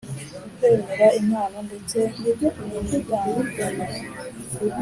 Kwemera impano ndetse n indagano